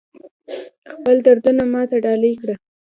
خپل دردونه ماته ډالۍ کړه